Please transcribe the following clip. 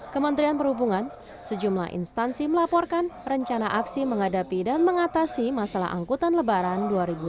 kementerian perhubungan sejumlah instansi melaporkan rencana aksi menghadapi dan mengatasi masalah angkutan lebaran dua ribu dua puluh